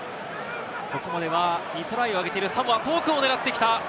ここまでは２トライを挙げているサモア、遠くを狙ってきた。